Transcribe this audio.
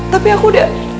tapi aku udah